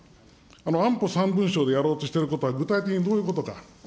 安保３文書でやろうとしていることは、具体的にどういうことか。